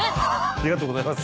ありがとうございます。